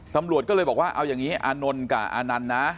ตำรวจก็เลยบอกว่าเอาอย่างนี้อานนท์กับอานันต์นะ